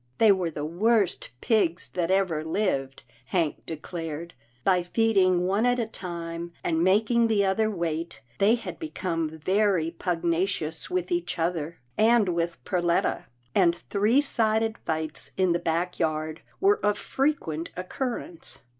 They were the worst pigs that ever lived, Hank declared. By feeding one at a time, and making the other wait, they had become very pugnacious with each 230 GRAMPA'S DREAM 231 other, and with Perletta, and three sided fights in the back yard were of frequent occurrence.